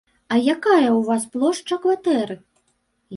А якая ў вас плошча кватэры?